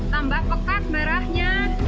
tambah pekat merahnya